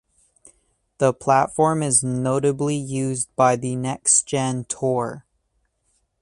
The platform is notably used by the Next Gen Tour.